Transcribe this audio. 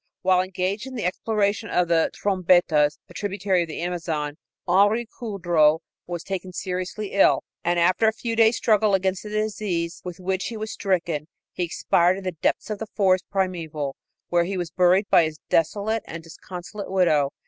While engaged in the exploration of the Trombetas, a tributary of the Amazon, Henri Coudreau was taken seriously ill, and, after a few days' struggle against the disease with which he was stricken, he expired in the depths of the forest primeval, where he was buried by his desolate and disconsolate widow.